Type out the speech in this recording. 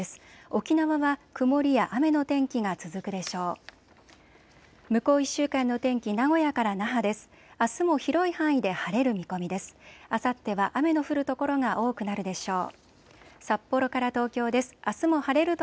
沖縄は曇りや雨の天気が続くでしょう。